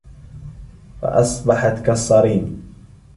فَأَصْبَحَتْ كَالصَّرِيمِ